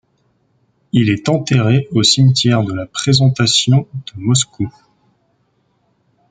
Il est enterré au cimetière de la Présentation de Moscou.